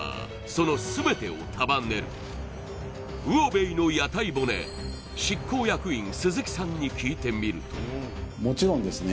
その全てを束ねる魚べいの屋台骨執行役員鈴木さんに聞いてみるともちろんですね